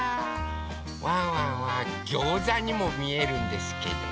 ワンワンはギョーザにもみえるんですけど。